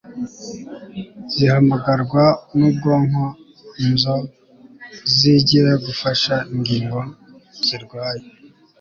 zihamagarwa nubwonko nzo zijye gufasha ingingo zirwaye